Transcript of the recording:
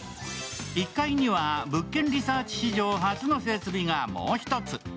１階には「物件リサーチ」史上初の設備がもう１つ。